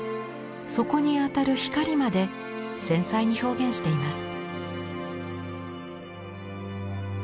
そこに当たる光まで繊細に表現しています。